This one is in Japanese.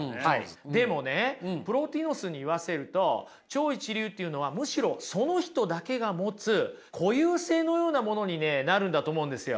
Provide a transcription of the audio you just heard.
でもねプロティノスに言わせると超一流っていうのはむしろその人だけが持つ固有性のようなものにねなるんだと思うんですよ。